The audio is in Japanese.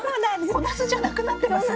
小ナスじゃなくなってますね。